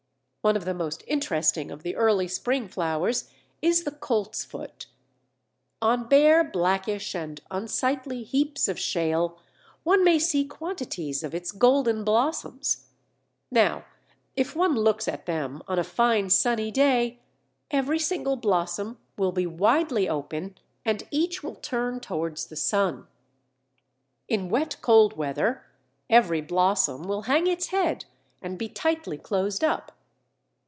One of the most interesting of the early spring flowers is the Coltsfoot. On bare blackish and unsightly heaps of shale one may see quantities of its golden blossoms. Now if one looks at them on a fine sunny day, every single blossom will be widely opened and each will turn towards the sun. In wet cold weather every blossom will hang its head and be tightly closed up.